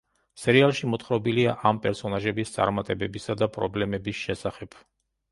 სერიალში მოთხრობილია ამ პერსონაჟების წარმატებებისა და პრობლემების შესახებ.